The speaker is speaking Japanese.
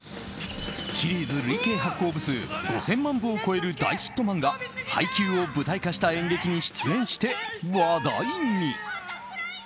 シリーズ累計発行部数５０００万部を超える大ヒット漫画「ハイキュー！！」を舞台化した演劇に出演して話題に。